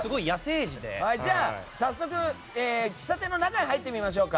早速、喫茶店の中に入ってみましょう。